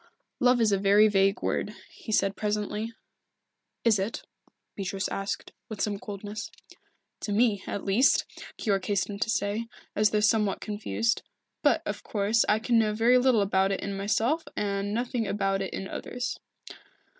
"Love is a very vague word," he said presently. "Is it?" Beatrice asked, with some coldness. "To me, at least," Keyork hastened to say, as though somewhat confused. "But, of course, I can know very little about it in myself, and nothing about it in others."